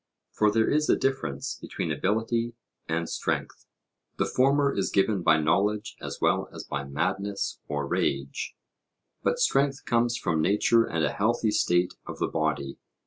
For there is a difference between ability and strength; the former is given by knowledge as well as by madness or rage, but strength comes from nature and a healthy state of the body.